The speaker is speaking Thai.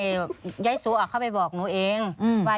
ยายสุเข้าไปบอกหนูเองว่า